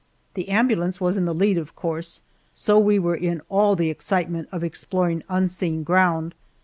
The ambulance was in the lead, of course, so we were in all the excitement of exploring unseen ground.